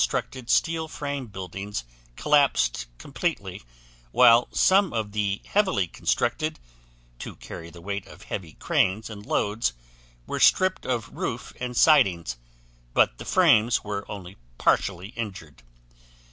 Many of the lightly constructed steel frame buildings collapsed completely while some of the heavily constructed (to carry the weight of heavy cranes and loads) were stripped of roof and siding, but the frames were only partially injured.